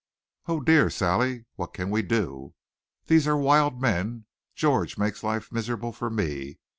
"Oh, dear. Sally, what can we do? These are wild men. George makes life miserable for me.